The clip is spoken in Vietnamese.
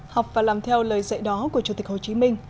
học và làm theo lời dạy đó của chủ tịch hồ chí minh